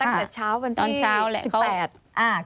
ตั้งแต่เช้าเป็นที่๑๘